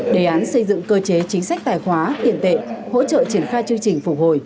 đề án xây dựng cơ chế chính sách tài khóa tiền tệ hỗ trợ triển khai chương trình phục hồi